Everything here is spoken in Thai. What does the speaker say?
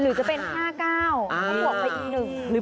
หรือจะเป็น๕๙บวกไปอีกหนึ่ง